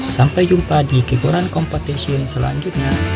sampai jumpa di keboran competition selanjutnya